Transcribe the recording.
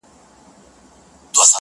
کارګه څوک دی چي پنیر په توره خوله خوري-